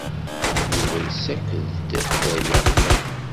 Yuba yessaked-d Baya.